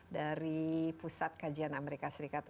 dari pusat kajian amerika serikat